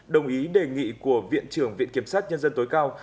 đồng ý đề nghị của viện trưởng viện kiểm sát nhân dân tối cao